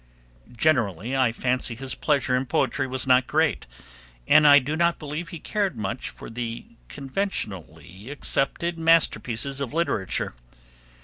Generally, I fancy his pleasure in poetry was not great, and I do not believe he cared much for the conventionally accepted masterpieces of literature.